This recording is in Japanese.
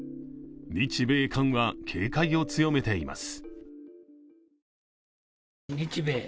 日米韓は、警戒を強めています。